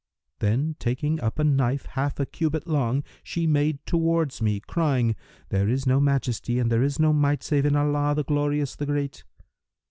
Then, taking up a knife half a cubit long, she made towards me, crying, 'There is no Majesty and there is no Might save in Allah, the Glorious, the Great!'